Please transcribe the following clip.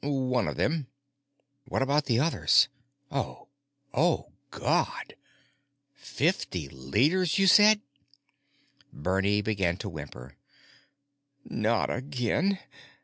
"One of them." "What about the others? Oh! Oh, Gawd—fifty liters, you said?" Bernie began to whimper: "Not again!